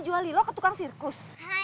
jual lilo ketukang sirkus